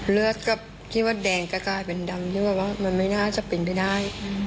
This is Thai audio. เลือดก็คิดว่าแดงก็กลายเป็นดำที่แบบว่ามันไม่น่าจะเป็นไปได้